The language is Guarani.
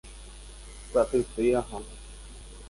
py'atytýipe aha